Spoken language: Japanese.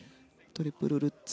トリプルルッツ